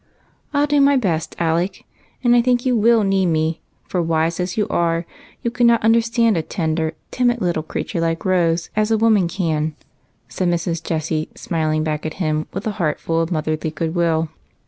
" I '11 do my best, Alec ; and I think you will need me, for, wise as you are, you cannot understand a ten der, timid little creature like Rose as a woman can," said Mrs. Jessie, smiling back at him with a heart full of motherly good Avill.